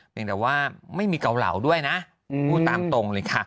อย่างแต่ว่าไม่มีเกาเหลาด้วยนะพูดตามตรงเลยค่ะ